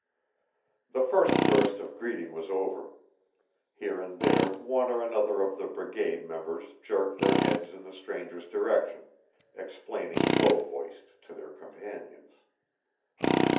The first burst of greeting was over. Here and there one or another of the brigade members jerked their heads in the stranger's direction, explaining low voiced to their companions.